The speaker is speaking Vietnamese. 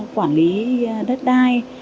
quản lý đất đai